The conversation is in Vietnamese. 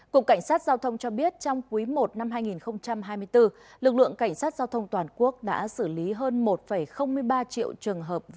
cục cảnh sát giao thông cho biết trong quý i năm hai nghìn hai mươi bốn lực lượng cảnh sát giao thông toàn quốc đã xử lý hơn một ba triệu trường hợp vi phạm